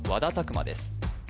馬です